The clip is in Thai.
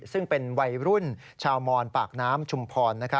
ซึ่งเป็นวัยรุ่นชาวมอนปากน้ำชุมพร